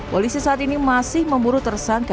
polisi saat ini masih memburu tersangka